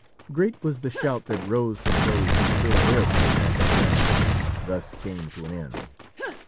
Great was the shout that rose from those who still lived when that grim hunt thus came to an end.